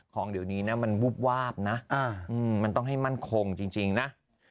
ของเดี๋ยวนี้นะมันวูบวาบนะมันต้องให้มั่นคงจริงนะ